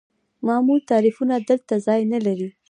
معمول تعریفونه دلته ځای نلري.